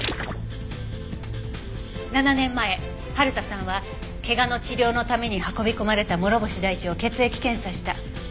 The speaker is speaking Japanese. ７年前春田さんは怪我の治療のために運び込まれた諸星大地を血液検査した。